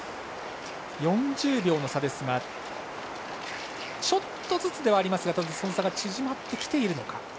４０秒の差ですがちょっとずつではありますがその差が縮まってきているか。